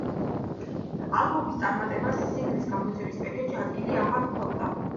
ალბომის წარმატებას სინგლის გამოცემის პერიოდში ადგილი აღარ ჰქონდა.